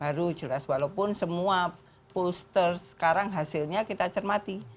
harus jelas walaupun semua pollster sekarang hasilnya kita cermati